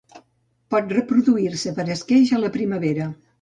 Pot reproduir-se per esqueix a la primavera.